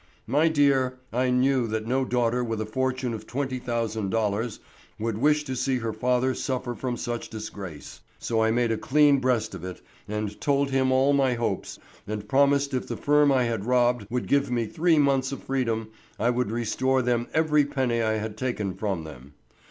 My dear, I knew that no daughter with a fortune of twenty thousand dollars would wish to see her father suffer from such disgrace, so I made a clean breast of it and told him all my hopes, and promised if the firm I had robbed would give me three months of freedom I would restore them every penny I had taken from them.